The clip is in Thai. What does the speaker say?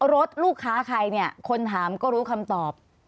รถลูกค้าใครเนี่ยคนถามก็รู้คำตอบ